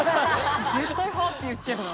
絶対「はあ？」って言っちゃうよな。